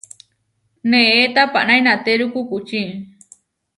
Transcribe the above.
Née tapaná inatéru kukuči.